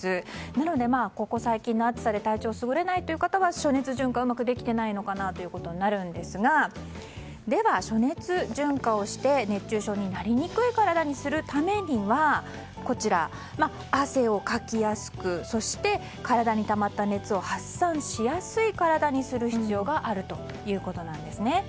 なので、ここ最近の暑さで体調がすぐれない方は暑熱順化がうまくできていないのかなということになるんですがでは暑熱順化をして、熱中症になりにくい体にするためには汗をかきやすく、そして体にたまった熱を発散しやすい体にする必要があるということです。